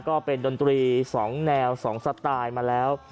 ก็เป็นดนตรี๒แนว๒สไตล์มาแล้ว